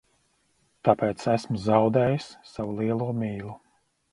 Tāpēc esmu zaudējis savu lielo mīlu.